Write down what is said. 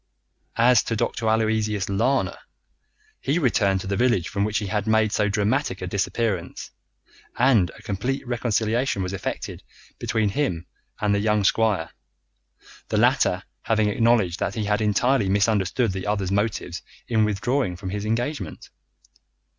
As to Dr. Aloysius Lana, he returned to the village from which he had made so dramatic a disappearance, and a complete reconciliation was effected between him and the young squire, the latter having acknowledged that he had entirely misunderstood the other's motives in withdrawing from his engagement.